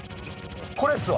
これっすわ。